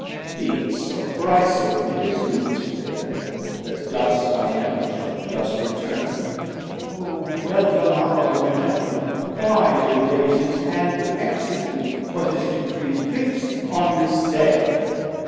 Be it so, for I submit, his doom is fair, That dust I am, and shall to dust returne: 770 O welcom hour whenever! why delayes His hand to execute what his Decree Fixd on this day?